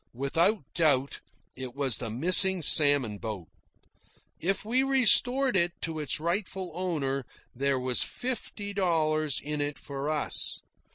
Without doubt, it was the missing salmon boat. If we restored it to its rightful owner there was fifty dollars in it for us.